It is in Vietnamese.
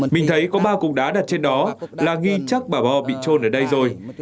mình thấy có ba cục đá đặt trên đó là nghi chắc bà bo bị trôn ở đây rồi